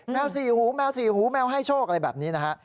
สี่หูแมวสี่หูแมวให้โชคอะไรแบบนี้นะฮะ